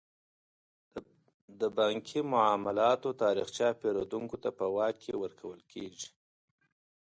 د بانکي معاملاتو تاریخچه پیرودونکو ته په واک کې ورکول کیږي.